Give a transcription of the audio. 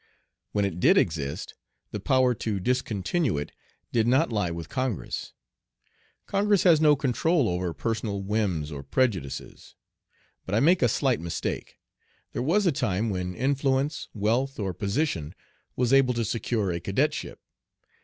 When it did exist the power to discontinue it did not lie with Congress. Congress has no control over personal whims or prejudices. But I make a slight mistake. There was a time when influence, wealth, or position was able to secure a cadetship.